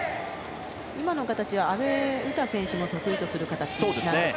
今の形は阿部詩選手が得意とする形です。